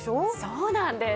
そうなんです。